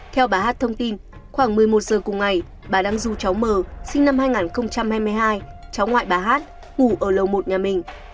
theo bà hát thông tin khoảng một mươi một giờ cùng ngày bà đang du cháu m sinh năm hai nghìn hai mươi hai cháu ngoại bà hát ngủ ở lầu một nhà mình